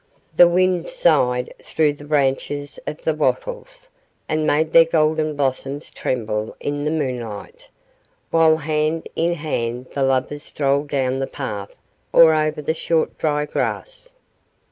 The wind sighed through the branches of the wattles, and made their golden blossoms tremble in the moonlight, while hand in hand the lovers strolled down the path or over the short dry grass.